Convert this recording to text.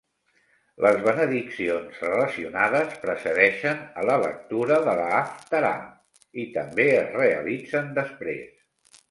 Les benediccions relacionades precedeixen a la lectura de la Haftarà i també es realitzen després.